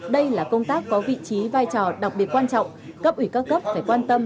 đây là công tác có vị trí vai trò đặc biệt quan trọng cấp ủy các cấp phải quan tâm